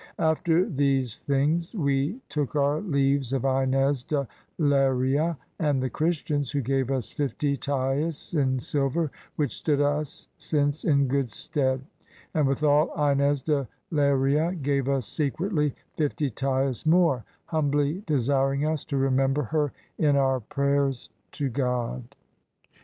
After these things we took our leaves of Inez de Leyria and the Christians, who gave us fifty taeis in silver, which stood us since in good stead; and withal Inez de Leyria gave us secretly fifty taeis more, humbly desiring us to remember her in our prayers to God.